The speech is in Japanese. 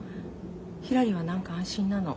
ひらりは何か安心なの。